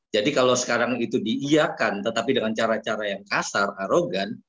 jadi kalau sekarang itu diiakan tetapi dengan cara cara yang kasar arogan